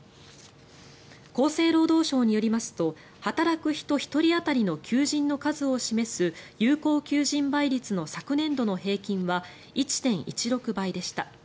厚生労働省によりますと働く人１人当たりの求人の数を示す有効求人倍率の昨年度の平均は１．１６倍でした。